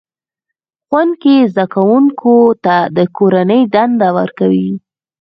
ښوونکی زده کوونکو ته کورنۍ دنده ورکوي